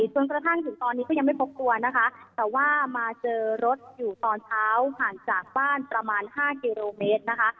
จนกระทั่งถึงตอนนี้ก็ยังไม่พบตัวนะคะแต่ว่ามาเจอรถอยู่ตอนเช้าห่างจากบ้านประมาณ๕กิโลเมตรนะคะ